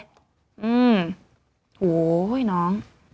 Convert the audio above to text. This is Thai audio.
โห้ยน้อง